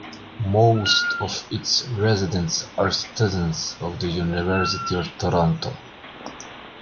Most of its residents are students of the University of Toronto.